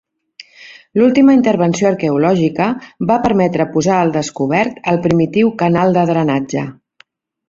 L'última intervenció arqueològica va permetre posar al descobert el primitiu canal de drenatge.